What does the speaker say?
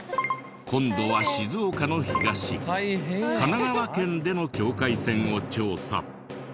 今度は静岡の東神奈川県での境界線を調査。